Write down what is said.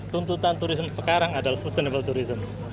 tuntutan turisme sekarang adalah sustainable tourism